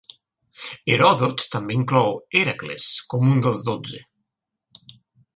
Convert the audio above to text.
Heròdot també inclou Hèracles com un dels dotze.